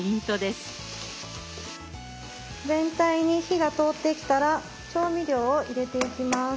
全体に火が通ってきたら調味料を入れていきます。